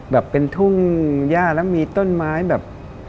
แบบเป็นทุ่งย่าแล้วมีต้นไม้แบบ